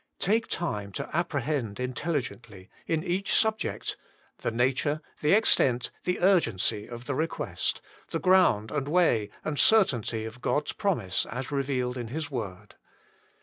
Take time to apprehend intelligently, in each subject, the nature, the extent, the urgency of the request, the ground and way and certainty of God s promise as revealed in His Word.